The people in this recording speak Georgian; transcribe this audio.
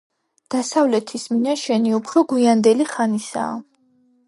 დასავლეთის მინაშენი უფრო გვიანდელი ხანისაა.